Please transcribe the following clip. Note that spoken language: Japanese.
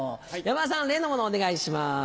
山田さん例の物お願いします。